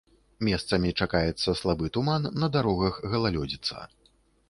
Месцамі чакаецца слабы туман, на дарогах галалёдзіца.